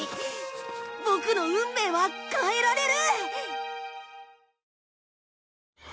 ボクの運命は変えられる！